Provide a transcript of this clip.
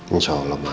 insya allah ma